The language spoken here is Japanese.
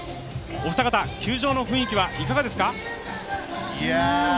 お二方、球場の雰囲気はいかがですか？